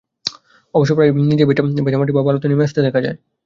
অবশ্য প্রায়ই নিচের ভেজা মাটি বা বালুতে নেমে আসতে দেখা যায়।